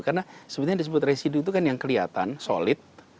karena sebenarnya disebut residu itu kan yang kelihatan solid